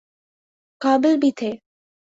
قابل بھی تھے۔